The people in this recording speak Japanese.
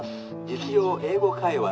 「実用英語会話」。